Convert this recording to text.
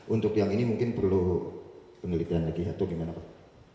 untuk yang ini mungkin perlu penelitian lagi atau gimana pak